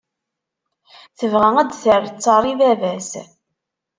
Tebɣa ad d-terr ttaṛ i baba-s.